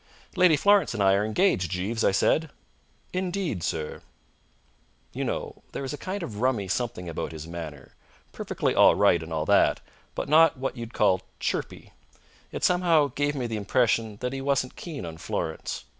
"Lady Florence and I are engaged, Jeeves," I said. "Indeed, sir?" You know, there was a kind of rummy something about his manner. Perfectly all right and all that, but not what you'd call chirpy. It somehow gave me the impression that he wasn't keen on Florence.